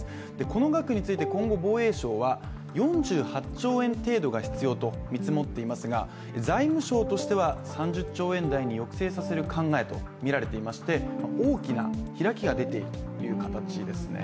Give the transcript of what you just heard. この額について、今後、防衛省は４８兆円程度が必要と見積もっていますが、財務省としては３０兆円台に抑制させる考えとみられていまして、大きな開きが出ているという形ですね。